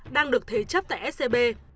đang được thế chấp tại scb